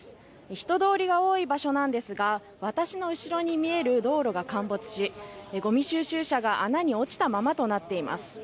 人通りが多い場所なんですが、私の後ろに見える道路が陥没し、ごみ収集車が穴に落ちたままとなっています。